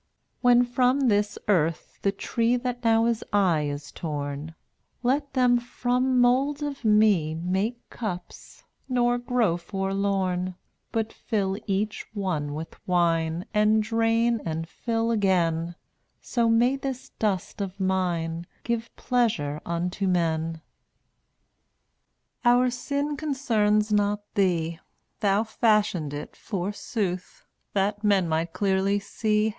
192 When from this earth the tree That now is I is torn, Let them from mould of me Make cups, nor grow forlorn, But fill each one with wine And drain and fill again; So may this dust of mine Give pleasure unto men. 0un<$ 1 93 Our sin concerns not Thee, (J3ttt&t Thou fashioned it, forsooth, „ That men might clearly see v!>